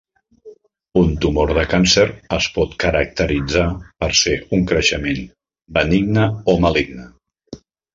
Un tumor de càncer es pot caracteritzar per ser un creixement benigne o maligne.